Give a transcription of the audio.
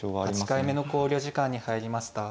８回目の考慮時間に入りました。